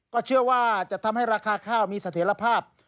ก็เชื่อว่าจะทำให้ราคาข้าวมีเสถียรภาพ